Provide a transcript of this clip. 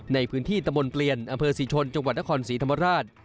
ในพื้นที่ตะมนต์เปลี่ยนอำเภอศรีชนจังหวัดนครศรีธรรมราช